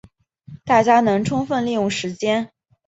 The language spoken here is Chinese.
大家能充分利用时间